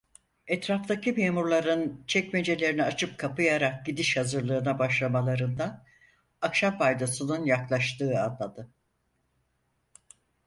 Etraftaki memurların çekmecelerini açıp kapayarak gidiş hazırlığına başlamalarından akşam paydosunun yaklaştığı anladı.